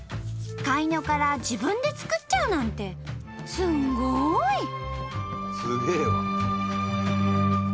カイニョから自分で作っちゃうなんてすんごい！